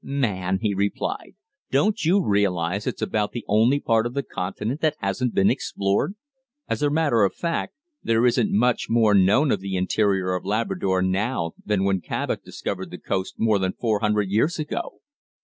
"Man," he replied, "don't you realise it's about the only part of the continent that hasn't been explored? As a matter of fact, there isn't much more known of the interior of Labrador now than when Cabot discovered the coast more than four hundred years ago."